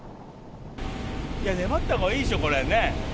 粘ったほうがいいでしょ、これね。